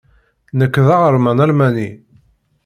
Nekk d aɣerman almani.